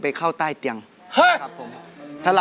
เมื่อสักครู่นี้ถูกต้องทั้งหมด